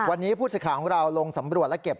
วันนี้ผู้สื่อข่าวของเราลงสำรวจและเก็บ